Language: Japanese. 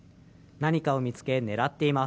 何かを見つけ、狙っています。